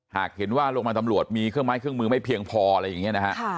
หากเห็นว่าโรงพยาบาลตำรวจมีเครื่องไม้เครื่องมือไม่เพียงพออะไรอย่างนี้นะฮะ